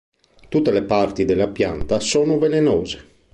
Tutte le parti della pianta sono velenose.